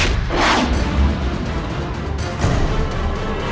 itu untuk saya